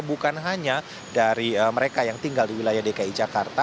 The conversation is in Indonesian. bukan hanya dari mereka yang tinggal di wilayah dki jakarta